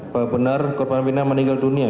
lima puluh delapan pak benar korban pina meninggal dunia